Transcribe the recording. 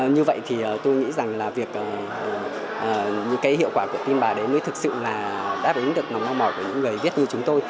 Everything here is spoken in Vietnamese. như vậy thì tôi nghĩ rằng là việc những cái hiệu quả của tim bà đấy mới thực sự là đáp ứng được mong mỏi của những người viết như chúng tôi